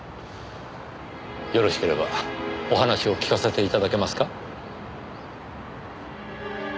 よろしければお話を聞かせて頂けますか？